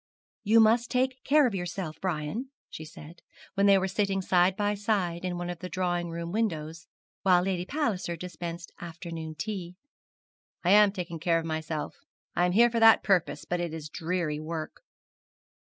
'You must take care of yourself, Brian,' she said, when they were sitting side by side in one of the drawing room windows, while Lady Palliser dispensed afternoon tea. 'I am taking care of myself; I am here for that purpose; but it is dreary work.'